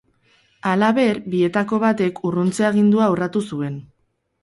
Halaber, bietako batek urruntze-agindua urratu zuen.